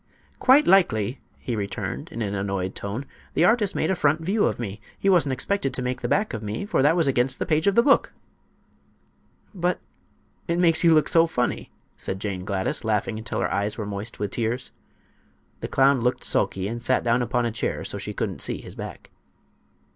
"Quite likely," he returned, in an annoyed tone. "The artist made a front view of me. He wasn't expected to make the back of me, for that was against the page of the book." "But it makes you look so funny!" said Jane Gladys, laughing until her eyes were moist with tears. The clown looked sulky and sat down upon a chair so she couldn't see his back.